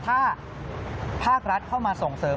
ถ้าภาครัฐเข้ามาส่งเสริม